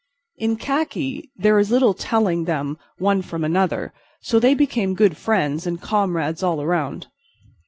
In khaki there is little telling them one from another, so they became good friends and comrades all around.